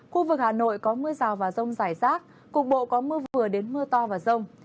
khu vực hà nội có mưa rào và rông rải rác cục bộ có mưa vừa đến mưa to và rông